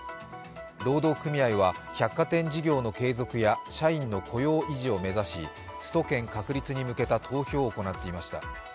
労働組合は、百貨店事業の継続や社員の雇用維持を目指しスト権確立に向けた投票を行っていました。